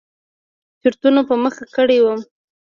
چورتونو په مخه کړى وم.